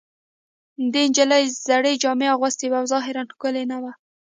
دې نجلۍ زړې جامې اغوستې وې او ظاهراً ښکلې نه وه